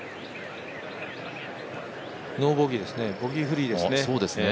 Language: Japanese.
ノーボギーですね、ボギーフリーですね。